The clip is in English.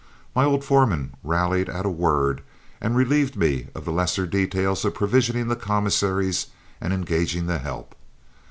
My old foremen rallied at a word and relieved me of the lesser details of provisioning the commissaries and engaging the help.